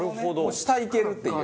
下いけるっていう。